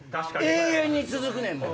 永遠に続くねんもん。